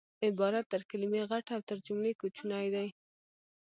عبارت تر کلیمې غټ او تر جملې کوچنی دئ